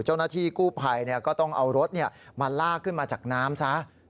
เจ้าหน้าที่กู้ภัยก็ต้องเอารถมาลากขึ้นมาจากน้ำซะ